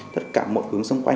tất cả mọi hướng xung quanh